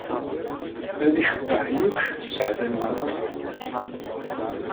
Ad icebbeḥ Yuc sseɛd-nwent.